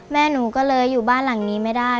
แม่หนูก็เลยอยู่บ้านหลังนี้ไม่ได้